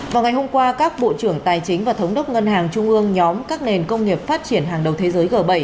vào ngày hôm qua các bộ trưởng tài chính và thống đốc ngân hàng trung ương nhóm các nền công nghiệp phát triển hàng đầu thế giới g bảy